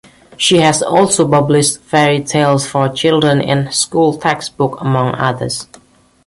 She has also published fairy tales for children in school textbooks among others.